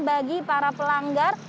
bagi para pelanggar